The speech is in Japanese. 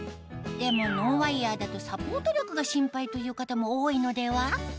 でもノンワイヤーだとサポート力が心配という方も多いのでは？